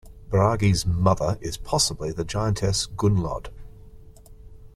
Bragi's mother is possibly the giantess Gunnlod.